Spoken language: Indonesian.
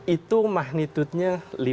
itu magnitude nya lima dua